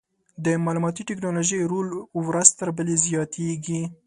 د معلوماتي ټکنالوژۍ رول ورځ تر بلې زیاتېږي.